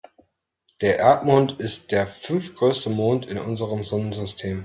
Der Erdmond ist der fünftgrößte Mond in unserem Sonnensystem.